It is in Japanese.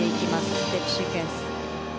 ステップシークエンス。